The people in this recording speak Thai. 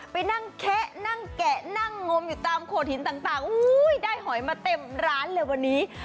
ไปนั่งแคะนั่งแกะนั่งงมอยู่ตามโขดหินต่างได้หอยมาเต็มร้านเลยวันนี้